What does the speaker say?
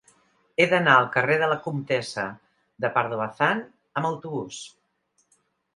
He d'anar al carrer de la Comtessa de Pardo Bazán amb autobús.